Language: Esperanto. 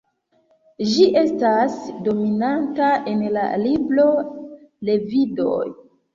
Ĝi estas dominanta en la libro Levidoj.